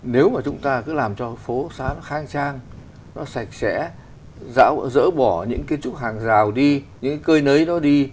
nếu mà chúng ta làm cho phố khang trang sạch sẽ rỡ bỏ những kiến trúc hàng giàu đi những cơi nới đi